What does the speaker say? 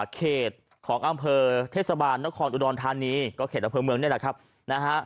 เขตของอำเภอเทศบาลนครอุดรธานีก็เขตอำเภอเมืองนี่แหละครับนะฮะ